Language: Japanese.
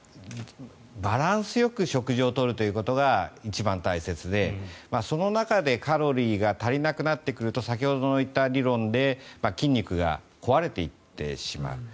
バランスよく食事を取ることが一番大切でその中でカロリーが足りなくなってくると先ほど言った理論で筋肉が壊れていってしまう。